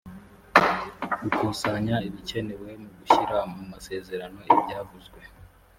gukusanya ibikenewe mu gushyira mu masezerano ibyavuzwe